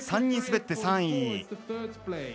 ３人滑って３位。